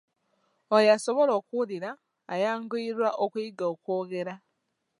Oyo asobola okuwulira ayanguyirwa okuyiga okwogera.